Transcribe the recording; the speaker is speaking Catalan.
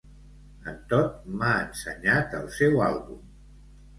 En Todd m'ha ensenyat el seu àlbum.